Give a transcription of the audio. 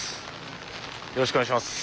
よろしくお願いします。